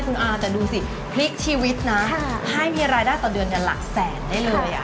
คุณอาแต่ดูสิพลิกชีวิตนะให้มีรายได้ต่อเดือนหลักแสนได้เลย